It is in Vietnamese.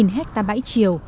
bốn mươi ha bãi triều